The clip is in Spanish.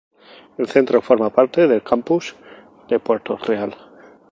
El centro forma parte del Campus de Puerto Real.